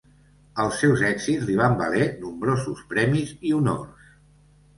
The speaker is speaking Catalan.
Els seus èxits li van valer nombrosos premis i honors.